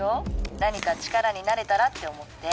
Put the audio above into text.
何か力になれたらって思って。